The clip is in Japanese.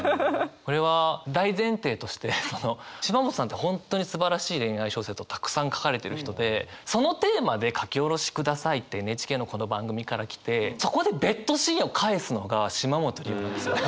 これは大前提としてその島本さんって本当にすばらしい恋愛小説をたくさん書かれてる人でそのテーマで書き下ろしくださいってＮＨＫのこの番組から来てそこでベッドシーンを返すのが島本理生なんですよね。